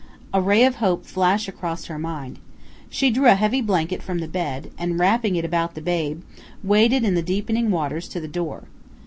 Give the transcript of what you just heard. A ray of hope flashed across her mind. She drew a heavy blanket from the bed, and, wrapping it about the babe, waded in the deepening waters to the door.